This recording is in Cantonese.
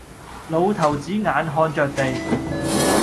老頭子眼看着地，